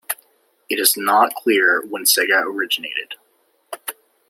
It is not clear when sega originated.